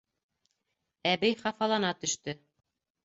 Әбей хафалана төштө: